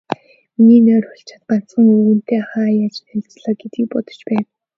Миний нойр хулжаад, ганцхан, өвгөнтэй хаа яаж танилцлаа гэдгийг бодож байв.